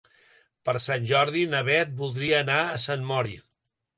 Per Sant Jordi na Bet voldria anar a Sant Mori.